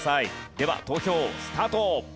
では投票スタート！